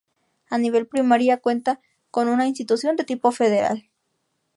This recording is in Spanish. A nivel primaria cuenta con una institución de tipo federal.